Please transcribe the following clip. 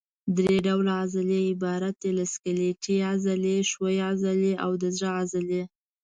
درې ډوله عضلې عبارت دي له سکلیټي عضلې، ښویې عضلې او د زړه عضله.